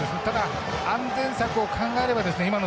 ただ安全策を考えればですね